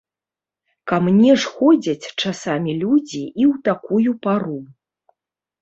Ка мне ж ходзяць часамі людзі і ў такую пару.